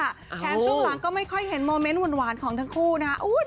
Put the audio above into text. แถมช่วงหลังก็ไม่ค่อยเห็นโมเมนต์หวานของทั้งคู่นะ